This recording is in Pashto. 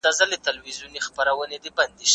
ایا بهرني سوداګر کاغذي بادام پروسس کوي؟